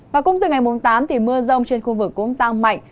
và cũng từ ngày tám mưa rông trên khu vực cũng tăng mạnh